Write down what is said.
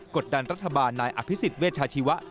ดดันรัฐบาลนายอภิษฎเวชาชีวะ